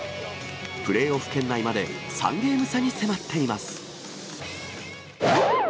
プレーオフ圏内まで３ゲーム差に迫っています。